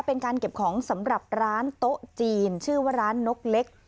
เป็นการเก็บของสำหรับร้านโต๊ะจีนชื่อว่าร้านนกเล็ก